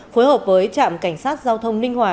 phối hợp với trạm cảnh sát giao thông ninh hòa